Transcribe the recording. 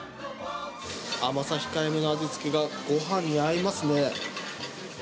甘さ控えめの味付けが、ごはんに合いますね。